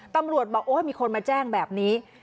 ตำรวจบอกโอ้ยมีคนมาแจ้งแบบนี้